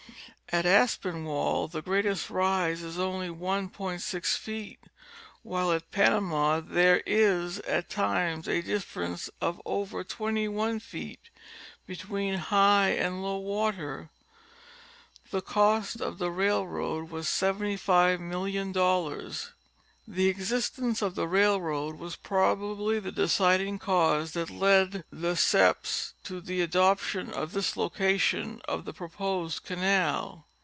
At Aspinwall the greatest rise is only 1.6 feet, while at Panama there is at times a difference of over 21 feet between high and low water. The cost of the railroad was $75,000,000. The existence of the railroad was probably the deciding cause that led Lesseps to the adoption of this location of the proposed canal.